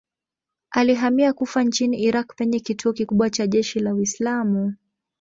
Alihamia Kufa nchini Irak penye kituo kikubwa cha jeshi la Uislamu.